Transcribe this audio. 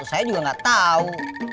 saya juga gak tau